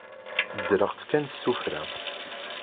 Ddreɣ-tt kan s tuffra.